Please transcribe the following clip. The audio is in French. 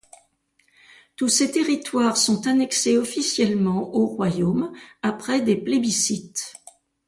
Tous ces territoires sont annexés officiellement au royaume après des plébiscites.